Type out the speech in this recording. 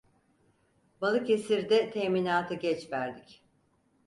Balıkesir'de teminatı geç verdik.